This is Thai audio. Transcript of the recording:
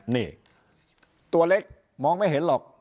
นี่ตัวเล็กมองไม่เห็นหรอก